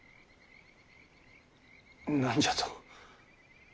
何じゃと。